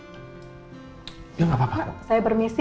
sementara dokter jaga sedang menangani pasien yang lain